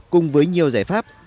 cùng với nhiều giải pháp